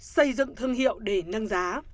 xây dựng thương hiệu để nâng giá